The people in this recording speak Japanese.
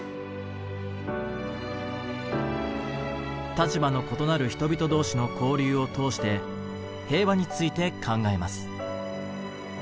立場の異なる人々同士の交流を通して平和について考えます。